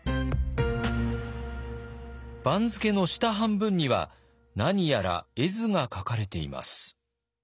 番付の下半分には何やら絵図が描かれています。